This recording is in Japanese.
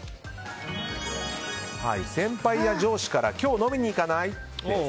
先輩や上司から今日、飲みに行かない？と。